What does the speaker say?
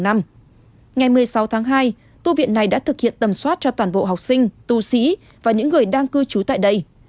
ngày một mươi sáu tháng hai tu viện này đã thực hiện tầm soát cho toàn bộ học sinh tu sĩ và những người đang cư trú tại đây